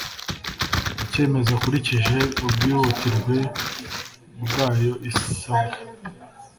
Icyemezo akurikije ubwihutirwe bwayo isabwa